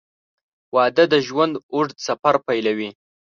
• واده د ژوند اوږد سفر پیلوي.